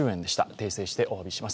訂正しておわびします。